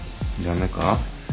駄目か。